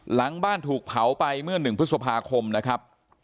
หลังบ้านถูกเผาไปเมื่อ๑พฤษภาคมนะครับ